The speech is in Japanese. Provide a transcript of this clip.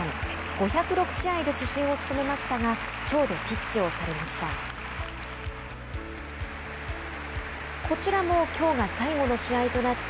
５０５試合で主審を務めましたがきょうでピッチを去りました。